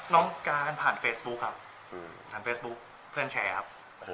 น้องการ์นผ่านเฟซบุ๊คครับ